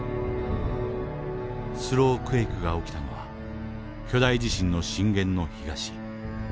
スロークエイクが起きたのは巨大地震の震源の東。